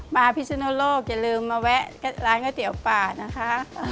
พิศนุโลกอย่าลืมมาแวะร้านก๋วยเตี๋ยวป่านะคะ